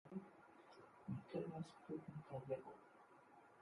The level of Lake Iroquois was about higher than Lake Ontario's present level.